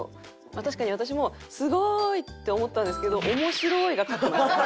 確かに私も「すごい！」って思ったんですけど「おもしろい！」が勝ってました。